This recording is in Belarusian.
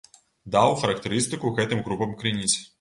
Даў характарыстыку гэтым групам крыніц.